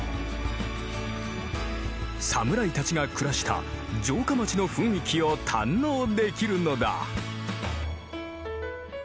侍たちが暮らした城下町の雰囲気を堪能できるのだ。